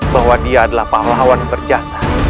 bahwa dia adalah pahlawan berjasa